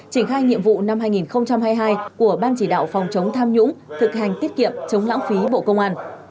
triển khai nhiệm vụ năm hai nghìn hai mươi hai của ban chỉ đạo phòng chống tham nhũng thực hành tiết kiệm chống lãng phí bộ công an